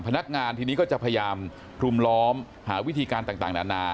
พนักงานทีนี้ก็จะพยายามรุมล้อมหาวิธีการต่างนานา